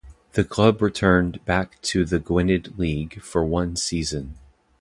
The club returned back to the Gwynedd League for one season.